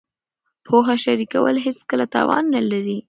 پوهه شریکول هېڅکله تاوان نه لري.